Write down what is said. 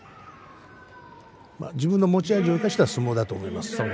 自分の持ち味を生かした相撲だったと思います。